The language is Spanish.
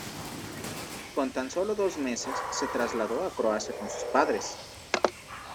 Con tan solo dos meses se trasladó a Croacia con sus padres.